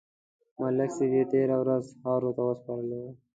ملک صاحب یې تېره ورځ خاورو ته وسپارلو.